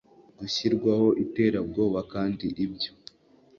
gushyirwaho iterabwoba kandi ibyo